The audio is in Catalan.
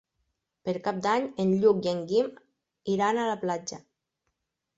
Per Cap d'Any en Lluc i en Guim iran a la platja.